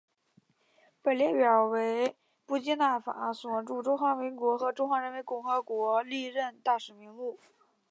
本列表为布基纳法索驻中华民国和中华人民共和国历任大使名录。